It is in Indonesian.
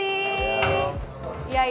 iya ini ada di sini